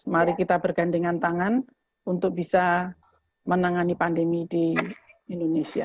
mari kita bergandengan tangan untuk bisa menangani pandemi di indonesia